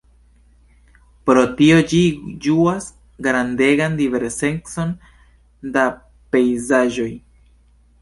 Pro tio ĝi ĝuas grandegan diversecon da pejzaĝoj.